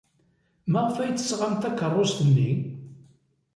Maɣef ay d-tesɣamt takeṛṛust-inni?